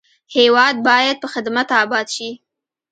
هېواد باید په خدمت اباد شي.